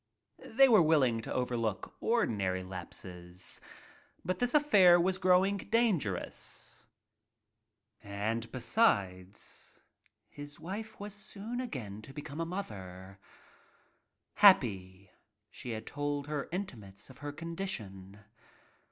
They were willing to overlook ordinary lapses, but this affair was growing dangerous— and besides Hefty's A MOVIE QUEEN wife was soon again to become a mother. Happy, she had told her intimates of her condition.